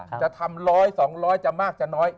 จะทำร้อยสองร้อยจะมากจะน้อย